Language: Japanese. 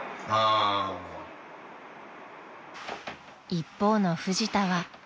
［一方のフジタは］